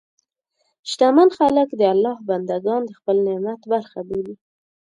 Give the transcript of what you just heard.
شتمن خلک د الله بندهګان د خپل نعمت برخه بولي.